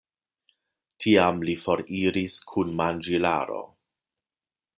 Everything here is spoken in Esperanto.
Tiam li foriris kun manĝilaro.